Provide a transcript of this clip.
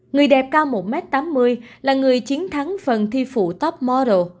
người đẹp cao một m tám mươi là người chiến thắng phần thi phụ top moro